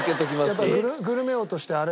やっぱりグルメ王としてあれ